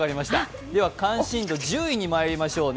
では、関心度１０位にまいりましょう。